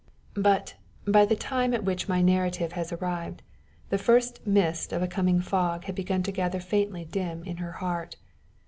But, by the time at which my narrative has arrived, the first mist of a coming fog had begun to gather faintly dim in her heart.